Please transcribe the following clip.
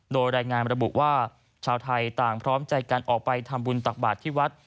โดยรายงานระบุว่าชาวไทยต่างพร้อมใจกันออกไปทำบุญตักบาทที่วัด